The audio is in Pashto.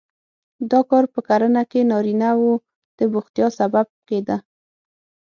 دا کار په کرنه کې نارینه وو د بوختیا سبب کېده.